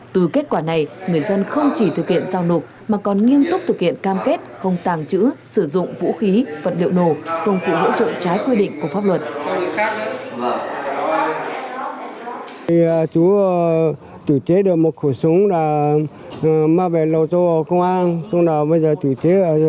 từ kết quả này người dân không chỉ thực hiện giao nộp mà còn nghiêm túc thực hiện cam kết không tàng trữ sử dụng vũ khí vật liệu nổ công cụ hỗ trợ trái quy định của pháp luật